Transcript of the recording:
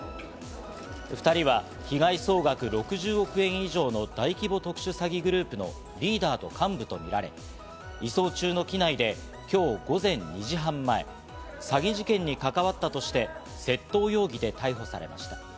２人は被害総額６０億円以上の大規模特殊詐欺グループのリーダーと幹部とみられ、移送中の機内で今日午前２時半前、詐欺事件に関わったとして窃盗容疑で逮捕されました。